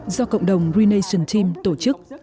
do cộng đồng renation team tổ chức